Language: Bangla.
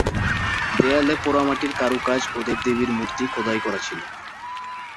দেয়ালে পোড়ামাটির কারুকাজ ও দেবদেবীর মূর্তি খোদাই করা ছিল।